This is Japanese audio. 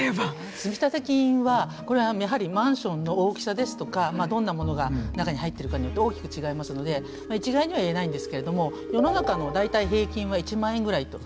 積立金はこれはやはりマンションの大きさですとかどんなものが中に入ってるかによって大きく違いますので一概には言えないんですけれども世の中の大体平均は１万円ぐらいというふうにいわれています。